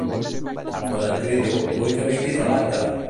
Quan et crido, vull que vinguis a l'acte!